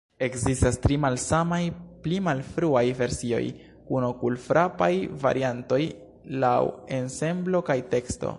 Ekzistas tri malsamaj pli malfruaj versioj kun okulfrapaj variantoj laŭ ensemblo kaj teksto.